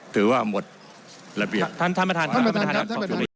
ถือว่าหมดระเบียบท่านท่านประทานท่านประทาน